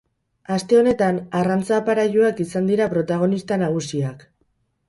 Aste honetan arrantza-aparailuak izan dira protagonista nagusiak.